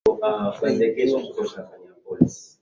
kwa mujibu wa mtandao unafuatilia habari za marekani